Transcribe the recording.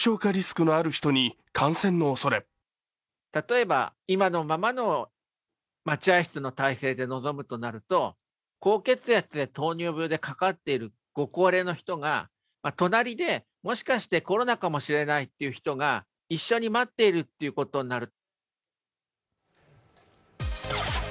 例えば今のままの待合室の体制で臨むとなると高血圧や糖尿病にかかっている御高齢の方が隣で、もしかしてコロナかもしれないって人が一緒に待ってるってことになる。